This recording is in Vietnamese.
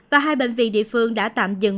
và hai bệnh viện địa phương đã tạm dừng